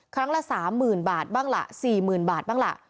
ครั้งละ๓หมื่นบาทบ้างละ๔หมื่นบาทบ้างละ